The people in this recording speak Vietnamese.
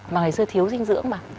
mà ngày xưa thiếu dinh dưỡng mà